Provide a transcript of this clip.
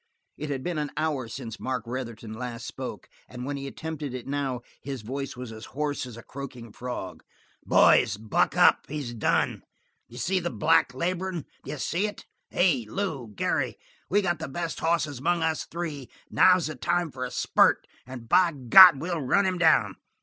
It had been an hour since Mark Retherton last spoke, and when he attempted it now his voice was as hoarse as a croaking frog. "Boys, buck up! He's done! D'ye see the black laborin'. D'ye see it? Hey, Lew, Garry, we've got the best hosses among us three. Now's the time for a spurt, and by God, we'll run him down.